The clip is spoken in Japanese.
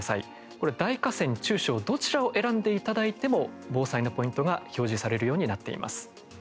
これ「大河川」「中小」どちらを選んでいただいても防災のポイントが表示されるようになっています。